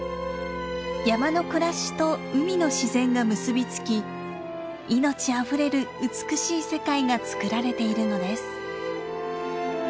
山の暮らしと海の自然が結び付き命あふれる美しい世界が作られているのです。